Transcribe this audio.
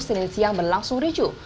sinil siang berlangsung ricu